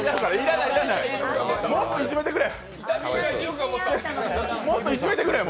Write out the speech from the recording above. もっといじめてくれ！